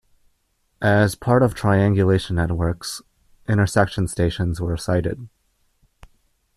As part of triangulation networks, intersection stations were sighted.